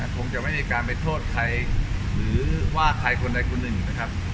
คงจะไม่มีการไปโทษใครหรือว่าใครคนใดคนหนึ่งนะครับ